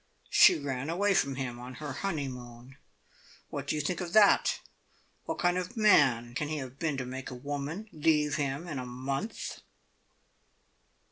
She ran away from him on her honeymoon. What do you think of that? What kind of a man can he have been to make a woman leave him in a month?"